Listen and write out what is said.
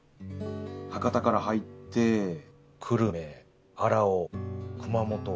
博多から入って久留米荒尾熊本。